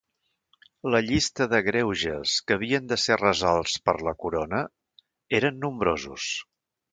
La llista de greuges que havien de ser resolts per la corona eren nombrosos.